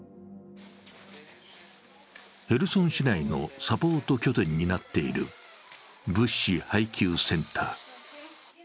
ヘルソン市内のサポート拠点になっている物資配給センター。